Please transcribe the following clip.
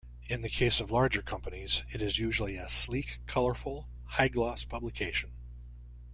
In the case of larger companies, it is usually a sleek, colorful, high-gloss publication.